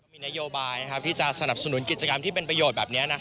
มีนโยบายที่จะสนับสนุนกิจกรรมที่เป็นประโยชน์แบบนี้